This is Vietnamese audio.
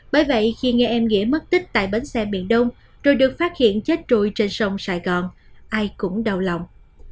bởi vậy khi nghe em nghĩa mất tích tại bến xe miền đông rồi được phát hiện chết trùi trên sông sài gòn ai cũng đau lòng